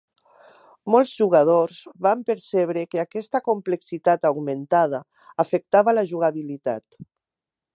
Molts jugadors van percebre que aquesta complexitat augmentada afectava la jugabilitat.